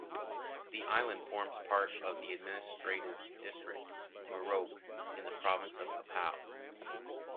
The island forms part of the administrative district Merauke in the province of Papua.